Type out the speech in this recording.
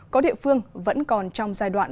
có địa phương vẫn còn trong giai đoạn